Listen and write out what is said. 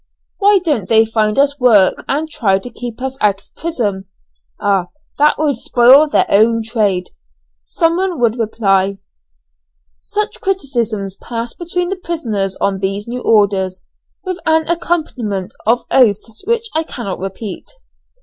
Why don't they find us work and try to keep us out of prison?" "Ah! that would spoil their own trade," someone would reply. Such criticisms passed between the prisoners on these new orders, with an accompaniment of oaths which I cannot repeat.